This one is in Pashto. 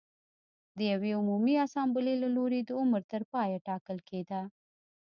د یوې عمومي اسامبلې له لوري د عمر تر پایه ټاکل کېده